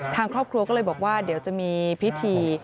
ทางครอบครัวก็เลยบอกว่าเดี๋ยวจะมีพิธี